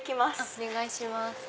お願いします。